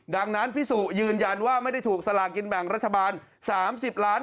ดังนั้นพี่สุยืนยันว่าไม่ได้ถูกสลากินแบ่งรัฐบาล๓๐ล้าน